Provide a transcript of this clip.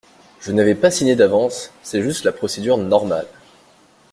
Je n’avais pas signé d’avance, c’était juste la procédure normale.